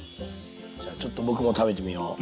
じゃあちょっと僕も食べてみよう。